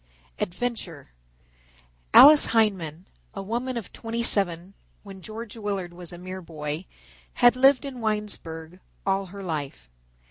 ADVENTURE Alice Hindman, a woman of twenty seven when George Willard was a mere boy, had lived in Winesburg all her life.